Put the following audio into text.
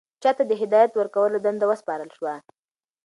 چا ته د هدایت ورکولو دنده وسپارل شوه؟